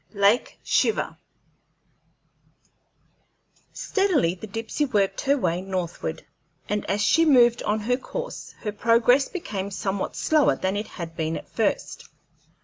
"LAKE SHIVER" Steadily the Dipsey worked her way northward, and as she moved on her course her progress became somewhat slower than it had been at first.